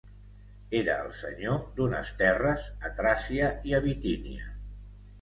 Era el senyor d'unes terres a Tràcia i a Bitínia.